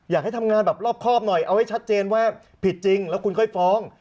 อยากให้ทำงานแบบรอบครอบหน่อยเอาให้ชัดเจนว่าผิดจริงแล้วคุณค่อยฟ้อง